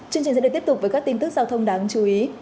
chương trình sẽ được tiếp tục với các tin tức giao thông đáng chú ý